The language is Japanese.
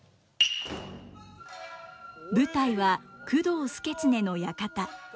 舞台は工藤祐経の館。